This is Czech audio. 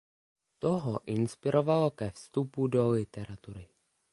To ho inspirovalo ke vstupu do literatury.